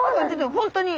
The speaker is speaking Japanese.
本当に。